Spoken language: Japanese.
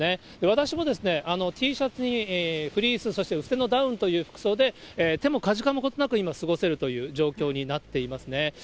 私もＴシャツにフリース、そして薄手のダウンという服装で、手もかじかむことなく、今、過ごせるという状況になっていますね。